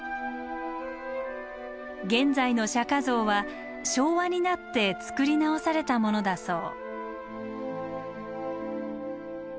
現在の釈像は昭和になって作り直されたものだそう。